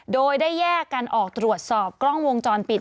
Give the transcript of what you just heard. โดยได้แยกกันออกตรวจสอบกล้องวงจรปิด